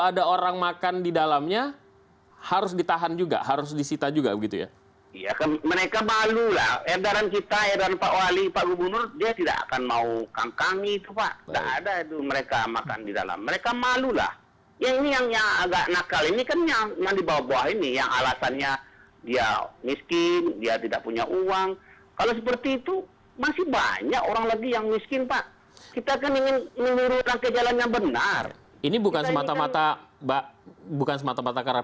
malah orang kiri kanan yang marah